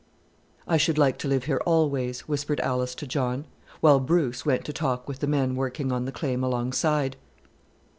"I should like to live here always," whispered Alice to John, while Bruce went to talk with the men working on the claim alongside.